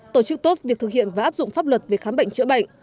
tổ chức tốt việc thực hiện và áp dụng pháp luật về khám bệnh chữa bệnh